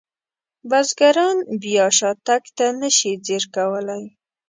بزګران بیا شاتګ ته نشي ځیر کولی.